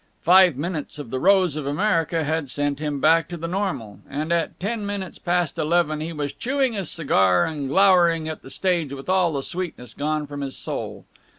Five minutes of "The Rose of America" had sent him back to the normal; and at ten minutes past eleven he was chewing his cigar and glowering at the stage with all the sweetness gone from his soul.